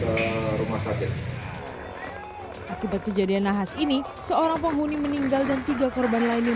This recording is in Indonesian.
ke rumah sakit akibat kejadian nahas ini seorang penghuni meninggal dan tiga korban lain yang